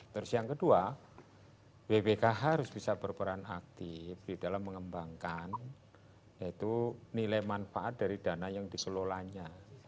terus yang kedua bpkh harus bisa berperan aktif di dalam mengembangkan yaitu nilai manfaat dari dana yang dikelolanya